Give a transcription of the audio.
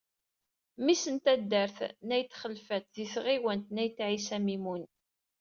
Mmi-s n taddart n Ayt Xelfat di tɣiwant n Ayt Ɛisa Mimun.